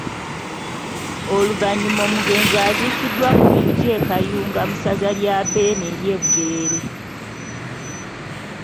Oluvannyuma omugenzi aziikiddwa ku biggya e Kayunga mu ssaza lya Bbeene ery’e Bugerere.